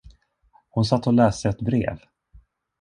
Hon satt och läste ett brev.